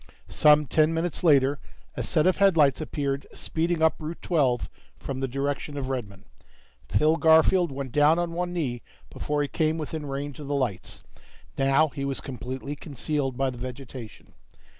Some ten minutes later, a set of headlights appeared speeding up Route Twelve from the direction of Redmon. Phil Garfield went down on one knee before he came within range of the lights. Now he was completely concealed by the vegetation.